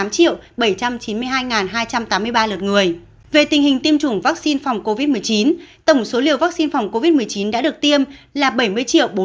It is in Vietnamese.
về tình hình tiêm chủng vaccine phòng covid một mươi chín tổng số liều vaccine phòng covid một mươi chín đã được tiêm là bảy mươi bốn trăm tám mươi tám sáu trăm chín mươi bốn liều